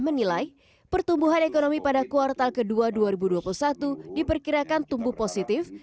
menilai pertumbuhan ekonomi pada kuartal ke dua dua ribu dua puluh satu diperkirakan tumbuh positif